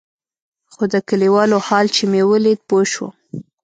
خو د كليوالو حال چې مې ولېد پوه سوم.